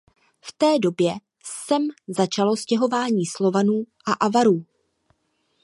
V té době sem začalo stěhování Slovanů a Avarů.